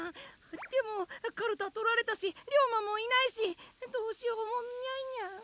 でもかるたとられたし龍馬もいないしどうしようもニャいニャ。